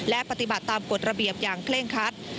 และปฏิบัติตามกฎระเบียบอย่างเคร่งคัด